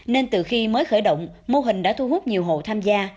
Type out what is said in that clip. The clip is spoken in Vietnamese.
nên từ khi mới khởi động mô hình đã thu hút nhiều hộ tham gia